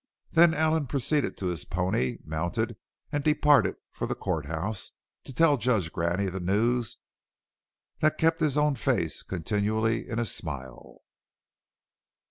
Then Allen proceeded to his pony, mounted, and departed for the court house to tell Judge Graney the news that kept his own face continually in a smile.